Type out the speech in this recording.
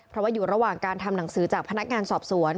เพราะว่าอยู่ระหว่างการทำหนังสือจากพนักงานสอบสวน